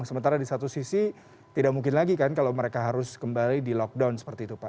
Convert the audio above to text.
sementara di satu sisi tidak mungkin lagi kan kalau mereka harus kembali di lockdown seperti itu pak